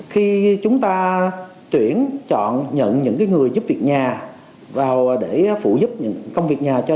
khi chúng ta tuyển chọn nhận những người giúp việc nhà vào để phụ giúp những công việc nhà